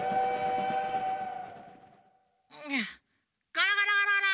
ガラガラガラガラ。